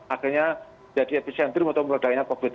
akhirnya jadi epicenter untuk mengelola dainya covid